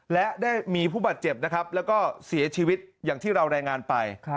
และได้มีผู้บาดเจ็บนะครับแล้วก็เสียชีวิตอย่างที่เรารายงานไป